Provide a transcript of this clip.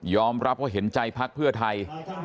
รับว่าเห็นใจพักเพื่อไทย